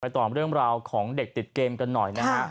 ต่อเรื่องราวของเด็กติดเกมกันหน่อยนะฮะ